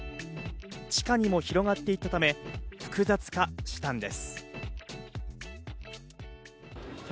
地下にも広がっていたため複雑化したんです。